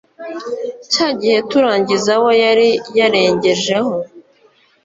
cyagihe turangiza we yari yarengejeho